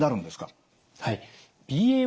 はい。